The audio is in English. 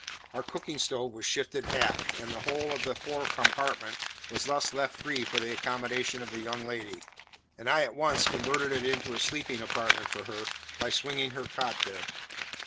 Our cooking stove was shifted aft, and the whole of the fore compartment was thus left free for the accommodation of the young lady; and I at once converted it into a sleeping apartment for her by swinging her cot there.